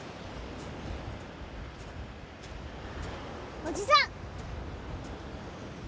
おじさん！